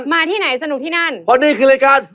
เพราะนี่คือรายการ